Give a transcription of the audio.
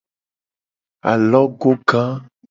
Alogoga.